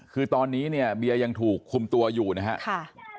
คือตอนนี้เนี่ยเบียยังถูกคุมตัวอยู่นะครับ